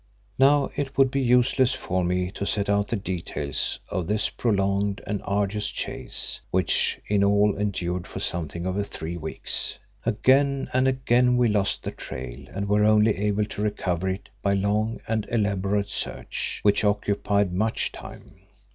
Now it would be useless for me to set out the details of this prolonged and arduous chase which in all endured for something over three weeks. Again and again we lost the trail and were only able to recover it by long and elaborate search, which occupied much time.